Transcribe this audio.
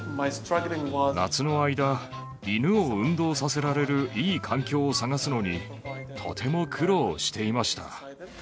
夏の間、犬を運動させられるいい環境を探すのに、とても苦労していました。